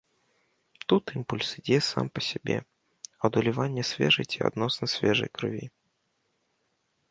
Тут імпульс ідзе сам па сябе, ад улівання свежай ці адносна свежай крыві.